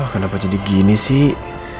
kenapa jadi gini sih